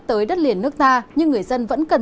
tới đất liền nước ta nhưng người dân vẫn cần